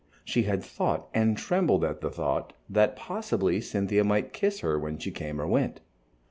She had thought, and trembled at the thought, that possibly Cynthia might kiss her when she came or went.